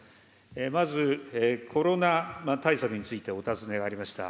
まずコロナ対策についてお尋ねがありました。